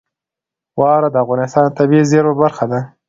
واوره د افغانستان د طبیعي زیرمو برخه ده.